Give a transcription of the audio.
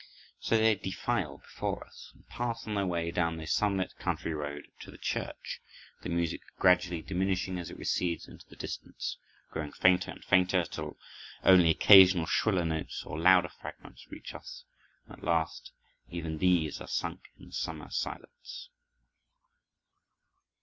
So they defile before us, and pass on their way down the sunlit country road to the church, the music gradually diminishing as it recedes into the distance, growing fainter and fainter till only occasional shriller notes or louder fragments reach us, and at last even these are sunk in the summer silence.